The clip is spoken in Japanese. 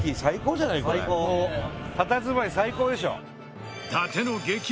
たたずまい最高でしょ。